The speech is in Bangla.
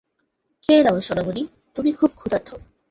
খেয়ে নাও, সোনামণি, তুমি খুব ক্ষুধার্ত।